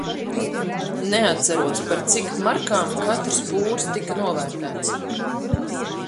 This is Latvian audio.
Neatceros, par cik markām katrs pūrs tika novērtēts.